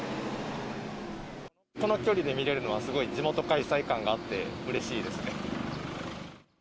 この距離で見れるのはすごい、地元開催感があってうれしいですね。